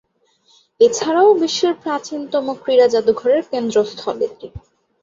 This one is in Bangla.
এছাড়াও, বিশ্বের প্রাচীনতম ক্রীড়া যাদুঘরের কেন্দ্রস্থল এটি।